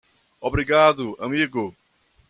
Obrigado amigo